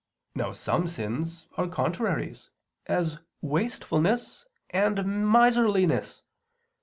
Now some sins are contraries, as wastefulness and miserliness.